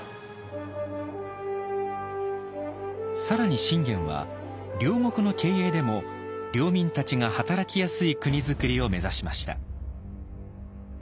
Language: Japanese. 更に信玄は領国の経営でも領民たちが働きやすい国づくりを目指しました。